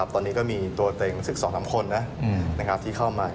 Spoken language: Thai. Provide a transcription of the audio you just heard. ตอนนี้ก็มีตัวเต็งสัก๒๓คนที่เข้ามา